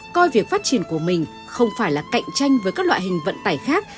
coi việc phát triển của mình không phải là cạnh tranh với các loại hình vận tải khác